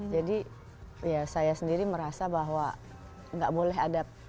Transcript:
jadi saya sendiri merasa bahwa nggak boleh ada